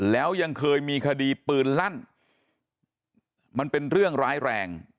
แล้วยังเคยมีคดีปืนลั่นมันเป็นเรื่องร้ายแรง